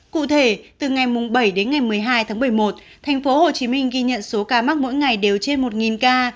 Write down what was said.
cụ thể từ ngày bảy đến ngày một mươi hai tháng một mươi một tp hcm ghi nhận số ca mắc mỗi ngày đều trên một ca